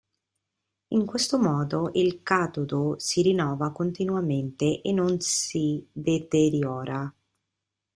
In questo modo il catodo si rinnova continuamente e non si deteriora.